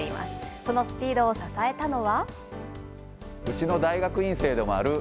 そのスピードを支えたのは。